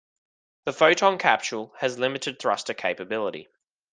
The Foton capsule has limited thruster capability.